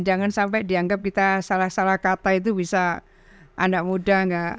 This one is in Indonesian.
jangan sampai dianggap kita salah salah kata itu bisa anak muda